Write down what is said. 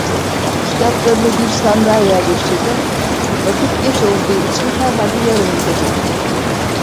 Kitaplarımı bir sandığa yerleştirdim, vakit geç olduğu için herhalde yarın gidecektim.